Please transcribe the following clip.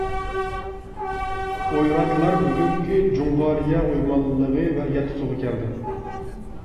ئويراتلار بۈگۈنكى جۇڭغارىيە ئويمانلىقى ۋە يەتتە سۇغا كەلدى.